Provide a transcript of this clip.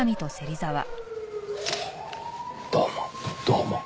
どうも。